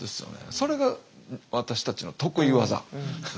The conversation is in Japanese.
それが私たちの得意技。